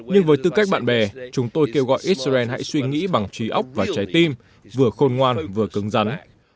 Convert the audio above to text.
nhưng với tư cách bạn bè chúng tôi kêu gọi israel hãy suy nghĩ bằng trí ốc và trái tim vừa khôn ngoan vừa cứng rắn